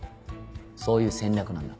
そういう戦略なんだ。